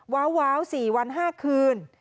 ว้าว๔วัน๕คืน